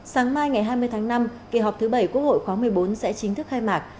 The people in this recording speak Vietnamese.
sáng mai ngày hai mươi tháng năm kỳ họp thứ bảy quốc hội khóa một mươi bốn sẽ chính thức khai mạc